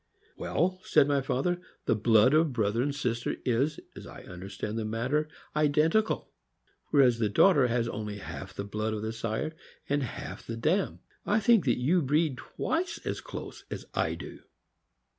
"Well," said my father, "the blood of brother and sister is, as I understand the matter, identical, whereas the daughter has only half the blood of the sire and half of the dam; and I think you breed twice as close as I do."